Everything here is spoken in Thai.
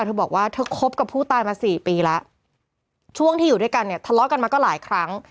เธอบอกว่าเธอคบกับผู้ตายมาสี่ปีแล้วช่วงที่อยู่ด้วยกันเนี่ยทะเลาะกันมาก็หลายครั้ง